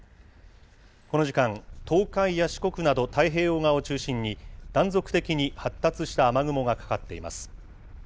この時間、東海や四国など、太平洋側を中心に、断続的に発達した雨雲がかかっています。